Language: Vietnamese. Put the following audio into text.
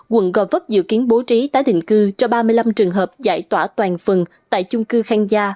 quận gò vấp dự kiến bố trí tái định cư cho ba mươi năm trường hợp giải tỏa toàn phần tại chung cư khang gia